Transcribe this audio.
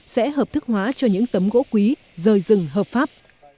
sẽ hợp thức hóa cho những tấm gỗ quý rời rừng hợp pháp